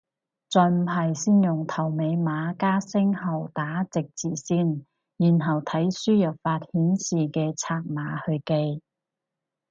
再唔係先用頭尾碼加星號打隻字先，然後睇輸入法顯示嘅拆碼去記